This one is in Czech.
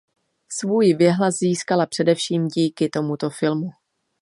Svůj věhlas získala především díky tomuto filmu.